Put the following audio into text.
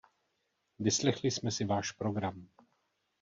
Vyslechli jsme si váš program.